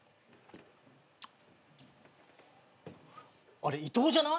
あれ伊藤じゃない？